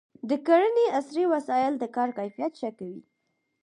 د کرنې عصري وسایل د کار کیفیت ښه کوي.